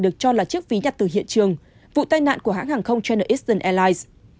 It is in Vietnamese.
được cho là chiếc ví nhặt từ hiện trường vụ tai nạn của hãng hàng không china eastern airlines